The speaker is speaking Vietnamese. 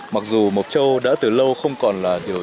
mặc dù mộc châu đã từ lâu không còn là điều